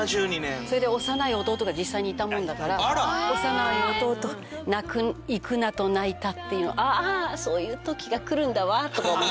それで幼い弟が実際にいたもんだから「幼い弟行くなと泣いた」っていうの「あそういう時が来るんだわ」とか思って。